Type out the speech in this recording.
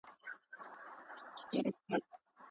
باید ماشومان د موبایل د کارولو پر ځای فزیکي لوبو ته وهڅول شي.